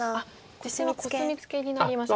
あっ実戦はコスミツケになりましたね。